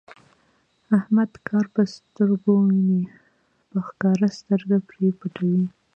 احمد کار په سترګو ویني، په ښکاره سترګې پرې پټوي.